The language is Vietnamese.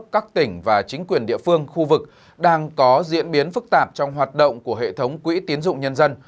các tỉnh và chính quyền địa phương khu vực đang có diễn biến phức tạp trong hoạt động của hệ thống quỹ tiến dụng nhân dân